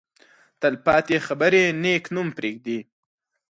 تل پاتې خبرې نېک نوم پرېږدي.